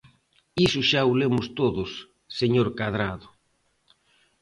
Iso xa o lemos todos, señor Cadrado.